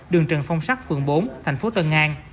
đường trần phong sắc phường bốn tp tân an